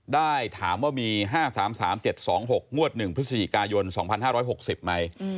ได้ถามว่ามี๕๓๓๗๒๖งวด๑พฤศจิกายน๒๕๖๐ไหม